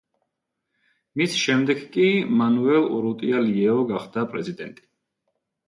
მის შემდეგ კი მანუელ ურუტია ლიეო გახდა პრეზიდენტი.